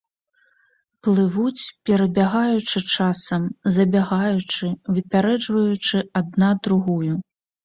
Плывуць, перабягаючы часам, забягаючы, выпярэджваючы адна другую.